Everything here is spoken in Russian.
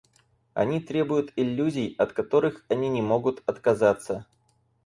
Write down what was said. Они требуют иллюзий, от которых они не могут отказаться.